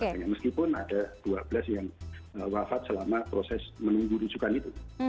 meskipun ada dua belas yang wafat selama proses menunggu rujukan itu